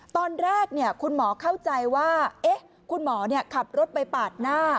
ตอนแรกคุณหมอเข้าใจว่าคุณหมอขับรถไปปาดหน้า